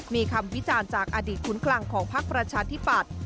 มีคำวิจารณ์จากอดีตขุนคลังของพักประชาธิปัตย์